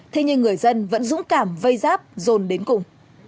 thế nhưng người dân vẫn dũng cảm vây giáp dồn đến cùng